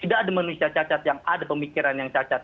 tidak ada manusia cacat yang ada pemikiran yang cacat